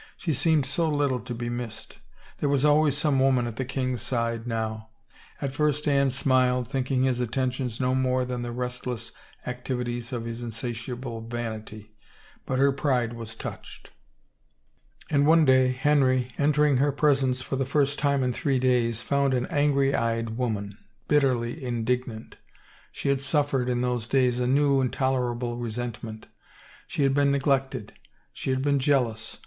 She seemed so little to be missed. ... There was always some woman at the king's side, now. At first Anne smiled, thinking his attentions no more than the restless activi ties of his insatiable vanity, but her pride was touched. And one day, Henry, entering her presence for the first time in three days, found an angry eyed woman, bitterly indignant. She had suffered, in those days, a new, intolerable resentment. She had been neglected. She had been jealous.